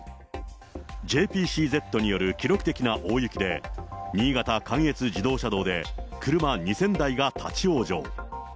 ＪＰＣＺによる記録的な大雪で、新潟・関越自動車道で車２０００台が立往生。